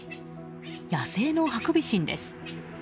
野生のハクビシンです。